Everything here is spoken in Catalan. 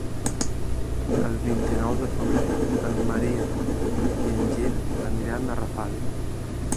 El vint-i-nou de febrer en Maria i en Gil aniran a Rafal.